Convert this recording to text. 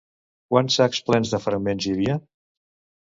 Quants sacs plens de fragments hi havia?